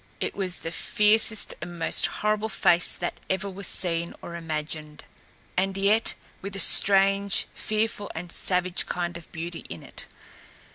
It was the fiercest and most horrible face that ever was seen or imagined, and yet with a strange, fearful and savage kind of beauty in it.